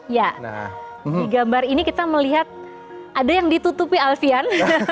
ya di gambar ini kita melihat ada yang ditutupi alfian